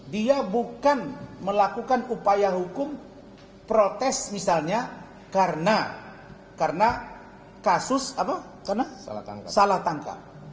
dia bukan melakukan upaya hukum protes misalnya karena kasus salah tangkap